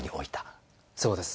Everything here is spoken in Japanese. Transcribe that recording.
そうです。